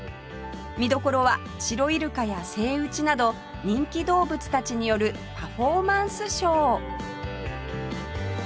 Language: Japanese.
見どころはシロイルカやセイウチなど人気動物たちによるパフォーマンスショー